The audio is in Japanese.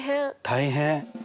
大変！